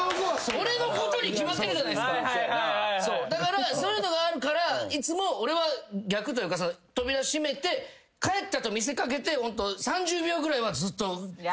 だからそういうのがあるからいつも俺は逆というか扉閉めて帰ったと見せかけて３０秒ぐらいはずっと。